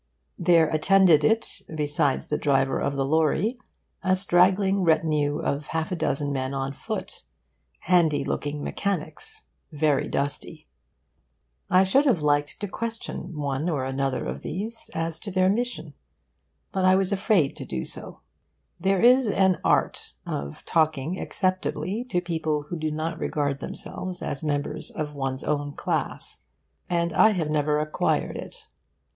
There attended it, besides the driver of the lorry, a straggling retinue of half a dozen men on foot handy looking mechanics, very dusty. I should have liked to question one or another of these as to their mission. But I was afraid to do so. There is an art of talking acceptably to people who do not regard themselves as members of one's own class; and I have never acquired it.